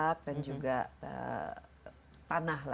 rumah tapak dan juga tanah